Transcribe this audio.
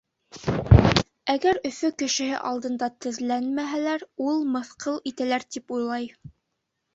Әгәр Өфө кешеһе алдында теҙләнмәһәләр, ул, мыҫҡыл итәләр, тип уйлай.